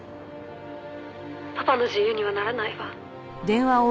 「パパの自由にはならないわ」